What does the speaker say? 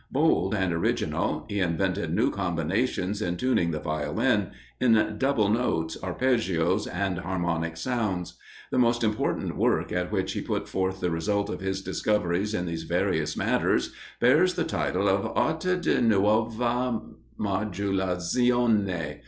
Bold and original, he invented new combinations in tuning the Violin, in double notes, arpeggios, and harmonic sounds. The most important work in which he put forth the result of his discoveries in these various matters, bears the title of "Arte de nuova modulazione."